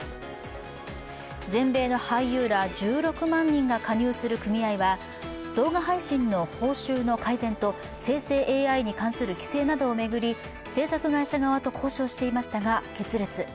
全米の俳優ら１６万人が加入する組合は動画配信の報酬の改善と生成ＡＩに関する規制などを巡り制作会社側と交渉していましたが決裂。